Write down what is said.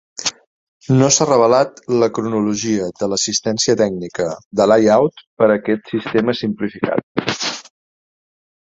No s'ha revelat la cronologia de l'assistència tècnica de Layout per aquest sistema simplificat.